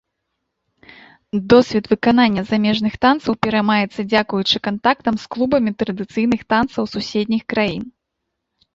Досвед выканання замежных танцаў пераймаецца дзякуючы кантактам з клубамі традыцыйных танцаў суседніх краін.